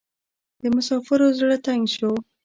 د مسافر زړه تنګ شو .